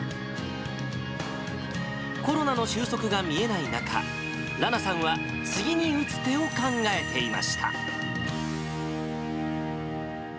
コロナの収束が見えない中、らなさんは次に打つ手を考えていました。